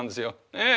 ええ。